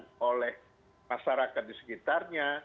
apa yang diperoleh masyarakat di sekitarnya